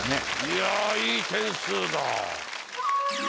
いや良い点数だ。